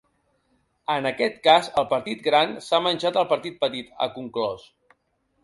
En aquest cas, el partit gran s’ha menjat el partit petit, ha conclòs.